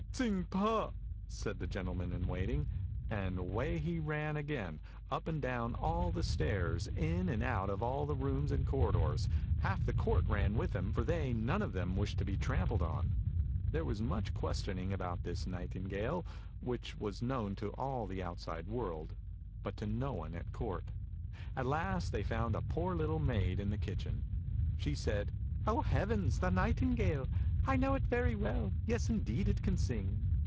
" "Tsing pe!" said the gentleman in waiting, and away he ran again, up and down all the stairs, in and out of all the rooms and corridors; half the court ran with him, for they none of them wished to be trampled on. There was much questioning about this nightingale, which was known to all the outside world, but to no one at court. At last they found a poor little maid in the kitchen. She said, " Oh heavens, the nightingale? I know it very well. Yes, indeed it can sing.